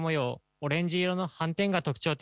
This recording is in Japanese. オレンジ色の斑点が特徴的です。